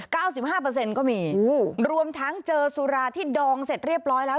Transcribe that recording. เก้าสิบห้าเปอร์เซ็นต์ก็มีรวมทั้งเจอสุราที่ดองเสร็จเรียบร้อยแล้ว